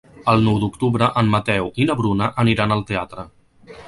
El nou d'octubre en Mateu i na Bruna aniran al teatre.